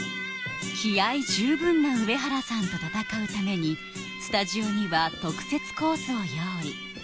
気合十分な上原さんと戦うためにスタジオには特設コースを用意